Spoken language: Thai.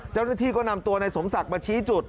เจ้าหน้าที่ก็นำตัวนายสมศักดิ์มาชี้จุด